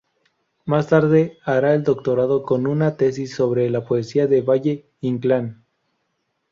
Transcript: Más tarde hará el doctorado con una tesis sobre la poesía de Valle-Inclán.